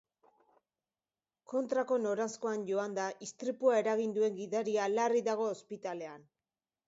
Kontrako noranzkoan joanda istripua eragin duen gidaria larri dago ospitalean.